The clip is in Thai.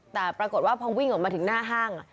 แต่ปรากฏว่าพอวิ่งออกมาถึงหน้าห้าง